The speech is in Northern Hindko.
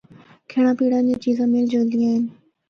کھینڑا پینڑا دیاں چیزاں مِل جُلدیاں ہن۔